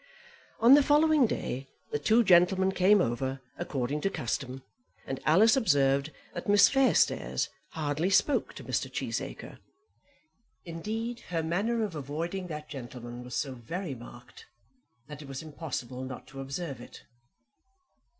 On the following day the two gentlemen came over, according to custom, and Alice observed that Miss Fairstairs hardly spoke to Mr. Cheesacre. Indeed her manner of avoiding that gentleman was so very marked, that it was impossible not to observe it.